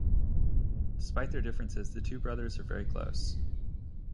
Despite their differences, the two brothers are very close.